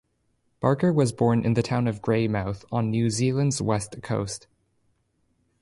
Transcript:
Barker was born in the town of Greymouth, on New Zealand's West Coast.